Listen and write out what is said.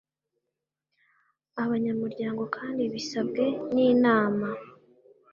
abanyamuryango kandi bisabwe n Inama